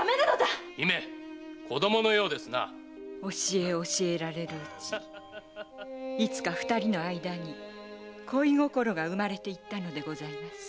〔子供のようですな〕教え教えられるうちいつか二人の間に恋心が生まれていったのでございます。